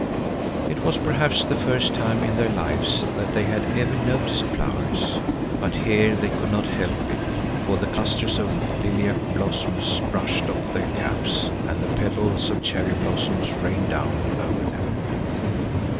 It was perhaps the first time in their lives that they had ever noticed flowers, but here they could not help it, for the clusters of lilac blossoms brushed off their caps and the petals of cherry blossoms rained down over them.